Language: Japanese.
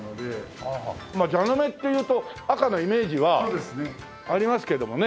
まあ蛇の目っていうと赤のイメージはありますけどもね。